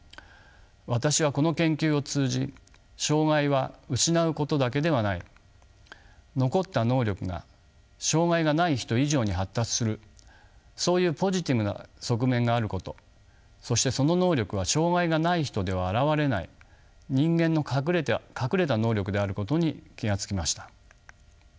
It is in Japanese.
私はこの研究を通じ障がいは失うことだけではない残った能力が障がいがない人以上に発達するそういうポジティブな側面があることそしてその能力は障がいがない人では現れない人間の隠れた能力であることに気が付きました。